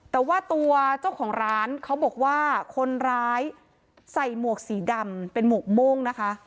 แต่ว่าตัวเจ้าของร้านเขาบอกว่าคนร้ายใส่หมวกสีดำเป็นหมวกโม่งนะคะ